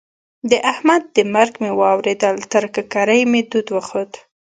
د احمد د مرګ مې واورېدل؛ تر ککرۍ مې دود وخوت.